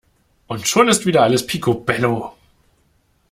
Und schon ist wieder alles picobello!